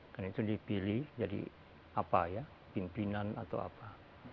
karena itu dipilih jadi apa ya pimpinan atau apa